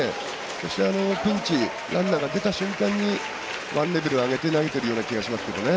そしてピンチランナーが出た瞬間にワンレベル上げて投げてるようなが気がしますけどね。